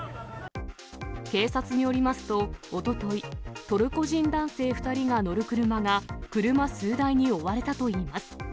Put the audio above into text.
警察によりますと、おととい、トルコ人男性２人が乗る車が、車数台に追われたといいます。